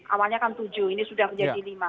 awalnya kan tujuh ini sudah menjadi lima